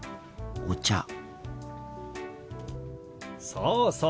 そうそう。